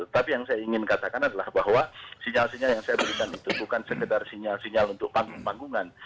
tapi yang saya ingin katakan adalah bahwa sinyal sinyal yang saya berikan itu bukan sekedar sinyal sinyal untuk panggung panggungan